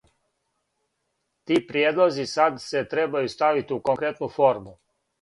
Ти приједлози сад се требају ставити у конкретну форму.